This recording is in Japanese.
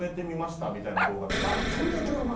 そんなんやってんのお前。